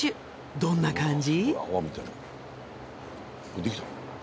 どんな感じ？